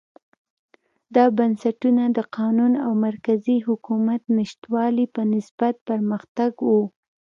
دا بنسټونه د قانون او مرکزي حکومت نشتوالي په نسبت پرمختګ و.